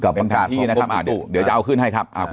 บนท้องที่นะครับเดี๋ยวจะเอาขึ้นให้ครับ